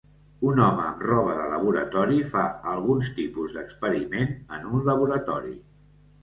Un home amb roba de laboratori fa algun tipus d'experiment en un laboratori.